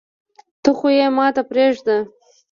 ته خو يي ماته پریږده